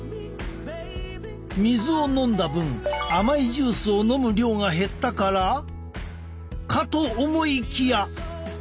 水を飲んだ分甘いジュースを飲む量が減ったから？かと思いきや！